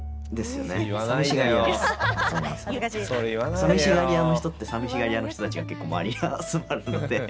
さみしがり屋の人ってさみしがり屋の人たちが結構周りに集まるので。